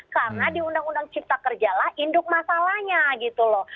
karena di undang undang cipta kerja lah induk masalahnya gitu loh